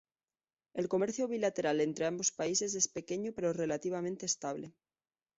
El comercio bilateral entre ambos países es pequeño pero relativamente estable.